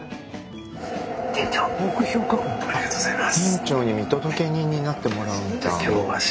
ありがとうございます。